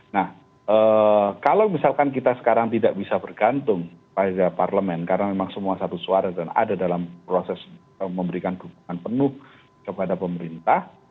nah kalau misalkan kita sekarang tidak bisa bergantung pada parlemen karena memang semua satu suara dan ada dalam proses memberikan dukungan penuh kepada pemerintah